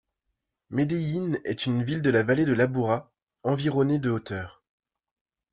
Medellín est une ville de la vallée de l’Aburra, environnée de hauteurs.